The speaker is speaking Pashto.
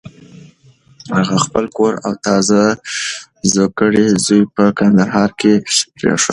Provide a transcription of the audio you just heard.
هغه خپل کور او تازه زوکړی زوی په کندهار کې پرېښودل.